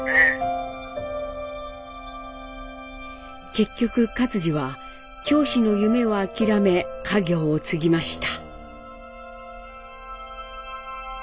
結局克爾は教師の夢を諦め家業を継ぎました。